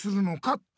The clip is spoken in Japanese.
って。